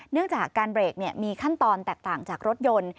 เนื่องจากการเบรกมีขั้นตอนแตกต่างจากรถยนต์